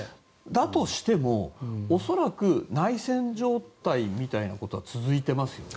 だとしても恐らく内戦状態みたいなことは続いてますよね。